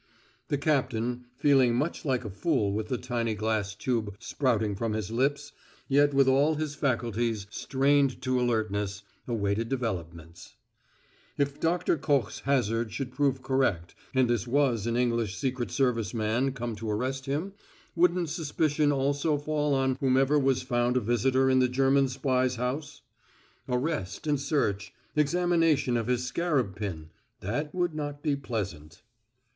The captain, feeling much like a fool with the tiny glass tube sprouting from his lips, yet with all his faculties strained to alertness, awaited developments. If Doctor Koch's hazard should prove correct and this was an English secret service man come to arrest him, wouldn't suspicion also fall on whomever was found a visitor in the German spy's house? Arrest and search; examination of his scarab pin that would not be pleasant.